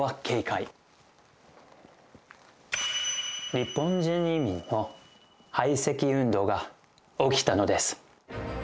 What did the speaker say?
日本人移民の排斥運動が起きたのです。